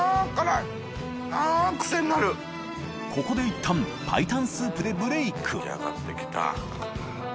いったん白湯スープでブレイク